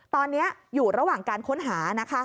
ตอนนี้อยู่ระหว่างการค้นหานะคะ